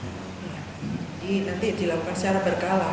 jadi nanti dilakukan secara berkala